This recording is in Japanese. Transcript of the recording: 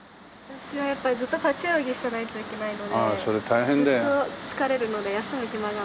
私はやっぱりずっと立ち泳ぎしてないといけないのでずっと疲れるので休む暇がない。